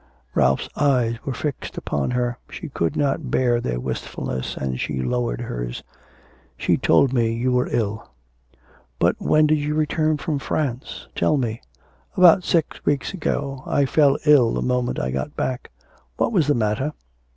Ralph's eyes were fixed upon her. She could not bear their wistfulness, and she lowered hers. 'She told me you were ill.' 'But when did you return from France? Tell me.' 'About six weeks ago. I fell ill the moment I got back.' 'What was the matter?'